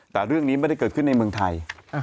แต่เรื่องนี้ไม่ได้เกิดขึ้นในเมืองไทย